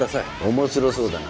面白そうだな。